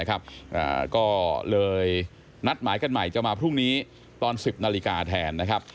ก็เลยนัดหมายกันใหม่จะมาพรุ่งนี้ตอน๑๐นาฬิกาแทนนะครับ